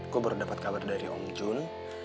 kok baru dapat kabar dari om jun